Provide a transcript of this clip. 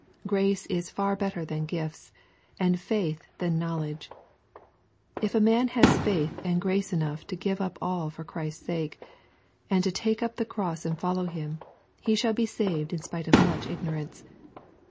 Grace is far better than gifts, and faith than knowledge. If a man has faith and grace enough to give up all for Christ's sake, and to take up the cross and follow Him, he shall be saved in spite of much ignorance.